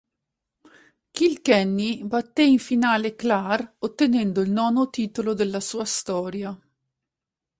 Kilkenny batté in finale Clare, ottenendo il nono titolo della sua storia.